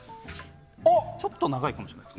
ちょっと長いかもしれません。